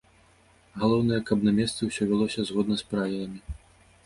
Галоўнае, каб на месцы ўсё вялося згодна з правіламі.